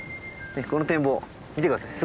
この展望見て下さい。